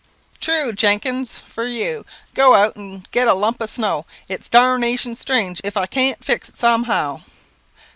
"True, Jenkins, for you; go out and get a lump of snow. Its darnation strange if I can't fix it somehow."